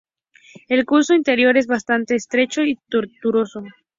El curso inferior es bastante estrecho y tortuoso.